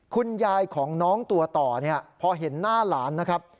คุณยายของน้องตัวต่อเนี่ยพอเห็นหน้าหลานนะครับ